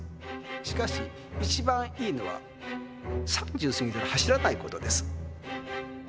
しかし、一番いいのは３０過ぎたら走らないことです。